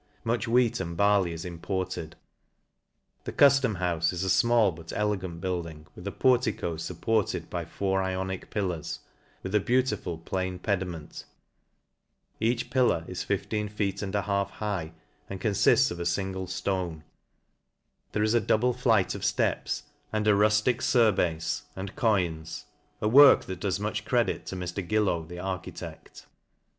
Much wheat and barley is imported. The cuftom houfe is a fmall but elegant building with a portico fupported by four Ionic pillars, witl a beautiful, plain pediment ; each pillar is 15 fee and a half high, and confifts of a Tingle ftone There is a double flight of fteps, and a ruftic fur hafe, and coins : a work that does much credit t Mr. Gillow, the architect.